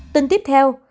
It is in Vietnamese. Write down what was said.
tin tiếp theo